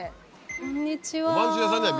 こんにちは。